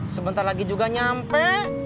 sebentar lagi juga nyampe